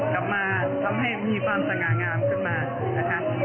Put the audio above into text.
ทำให้มีความสง่างามขึ้นมานะคะ